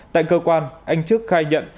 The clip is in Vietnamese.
tại cơ quan anh trức khai nhận